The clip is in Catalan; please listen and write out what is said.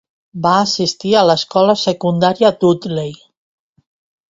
Va assistir a l'Escola secundària Dudley.